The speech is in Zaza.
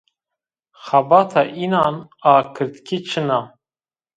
Xebata înan a kirdkî çin a